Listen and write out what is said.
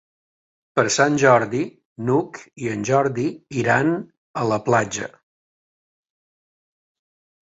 Per Sant Jordi n'Hug i en Jordi iran a la platja.